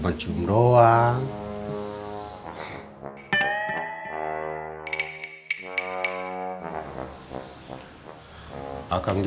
entah keberkatan orang di belakangnya